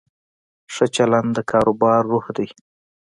ښه چلند د کاروبار روح دی.